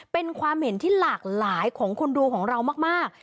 เป็นความเห็นที่หลากหลายของคนดูของเรามาก